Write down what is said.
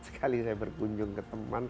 sekali saya berkunjung ke teman